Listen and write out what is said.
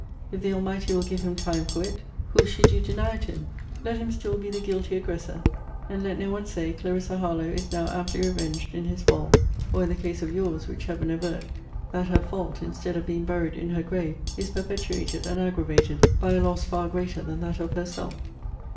If the Almighty will give him time for it, who should you deny it him? Let him still be the guilty aggressor; and let no one say, Clarissa Harlowe is now amply revenged in his fall; or, in the case of your's, (which Heaven avert!) that her fault, instead of being buried in her grave, is perpetuated, and aggravated, by a loss far greater than that of herself.